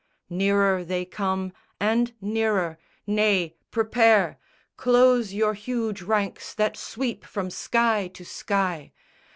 Nearer they come and nearer! Nay, prepare! Close your huge ranks that sweep from sky to sky!